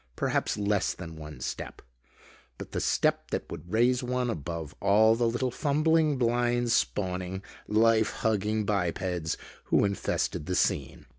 Perhaps less than one step. But the step that would raise one above all the little fumbling, blind spawning, life hugging bipeds who infested the scene.